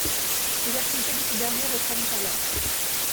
Les activités de ce dernier reprennent alors.